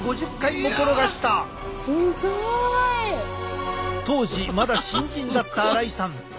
すごい。当時まだ新人だった荒井さん。